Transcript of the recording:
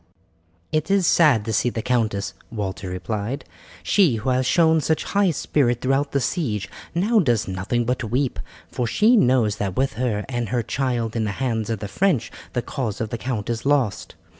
"It is sad to see the countess," Walter replied; "she who has shown such high spirit throughout the siege now does nothing but weep, for she knows that with her and her child in the hands of the French the cause of the count is lost.